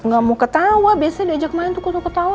gak mau ketawa biasanya diajak main tuh ketawa ketawa